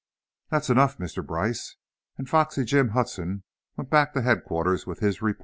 "That's enough, Mr. Brice," and Foxy Jim Hudson went back to Headquarters with his report.